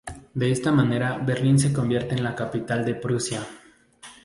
De esta manera Berlín se convierte en la capital de Prusia.